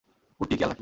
কুট্টি, খেয়াল রাখিস।